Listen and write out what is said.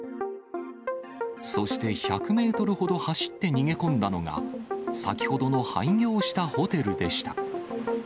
そして１００メートルほど走って逃げ込んだのが、先ほどの廃業したホテルでした。